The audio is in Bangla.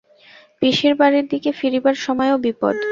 পিসির বাড়ির দিকে ফিরিবার সময়ও বিপদ।